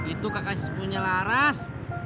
itu kakak sepupunya laras